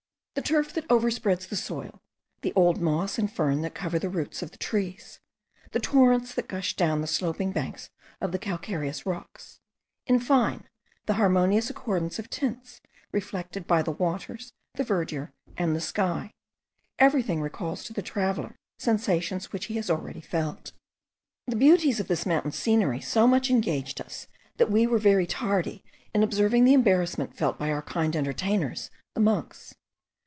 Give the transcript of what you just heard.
The turf that overspreads the soil: the old moss and fern that cover the roots of the trees; the torrents that gush down the sloping banks of the calcareous rocks; in fine, the harmonious accordance of tints reflected by the waters, the verdure, and the sky; everything recalls to the traveller, sensations which he has already felt. The beauties of this mountain scenery so much engaged us, that we were very tardy in observing the embarrassment felt by our kind entertainers the monks.